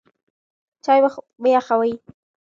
چای مه یخوئ.